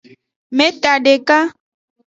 Meta deka.